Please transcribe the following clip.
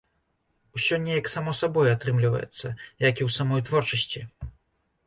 Усё неяк само сабой атрымліваецца, як і ў самой творчасці.